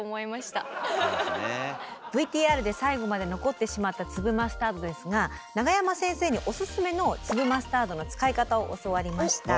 ＶＴＲで最後まで残ってしまった粒マスタードですが永山先生におすすめの粒マスタードの使い方を教わりました。